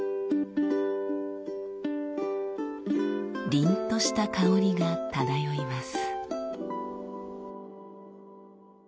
りんとした香りが漂います。